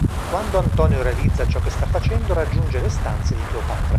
Quando Antonio realizza ciò che sta facendo, raggiunge le stanze di Cleopatra.